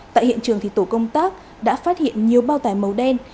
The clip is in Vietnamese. tại hiện trường thì tổ công tác đã phát hiện nhiều bao tài màu đen